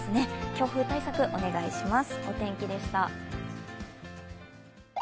強風対策、お願いします。